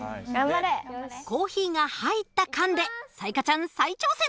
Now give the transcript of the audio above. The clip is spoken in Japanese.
コーヒーが入った缶で彩加ちゃん再挑戦！